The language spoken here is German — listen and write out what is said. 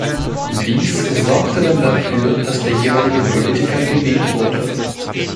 Dies sorgte dann dafür, dass der jeweilige Politiker gewählt wurde.